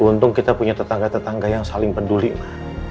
untung kita punya tetangga tetangga yang saling peduli ma